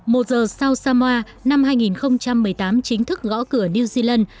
một giờ sau samoa năm hai nghìn một mươi tám chính thức gõ cửa new zealand